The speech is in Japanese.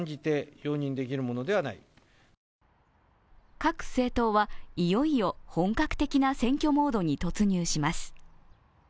各政党はいよいよ本格的な選挙モードに突入します。